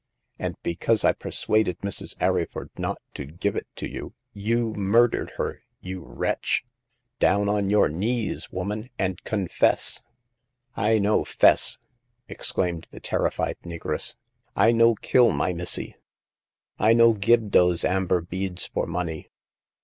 And because I persuaded Mrs. Arryford not to give it to you, you murdered her, you wretch ! Down on your knees, woman, and confess !''I no 'fess !" exclaimed the terrified negress. " I no kill my missy ! I no gib dose amber beads for money.